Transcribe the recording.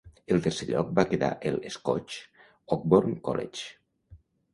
En el tercer lloc va quedar el Scotch Oakburn College.